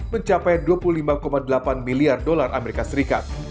mencapai dua puluh lima delapan miliar dolar amerika serikat